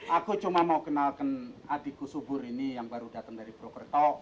aku cuma mau kenalkan adikku subur ini yang baru datang dari prokerto